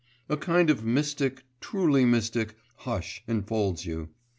A kind of mystic, truly mystic, hush enfolds you.